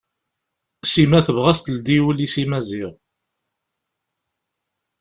Sima tebɣa ad as-teldi ul-is i Maziɣ.